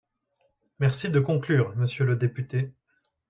Merci de conclure, monsieur le député.